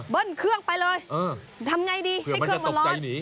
เบิ้ลเครื่องไปเลยทำอย่างไรดีให้เครื่องมาร้อน